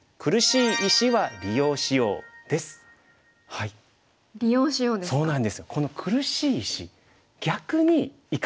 「利用しよう」ですか。